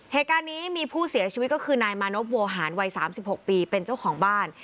เหตุการณ์นี้มีผู้เสียชีวิตก็คือนายมานพโวหารวัย๓๖ปีเป็นเจ้าของบ้าน